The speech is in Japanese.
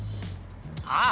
ああ！